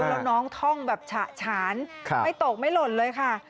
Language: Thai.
แล้วน้องท่องแบบฉะฉานไม่ตกไม่หล่นเลยค่ะ